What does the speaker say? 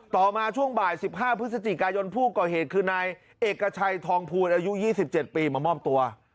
ต่อมาช่วงบ่าย๑๕พฤศจิกายนผู้ก่อเหตุคือนายเอกชัยทองภูลอายุ๒๗ปีมามอบตัว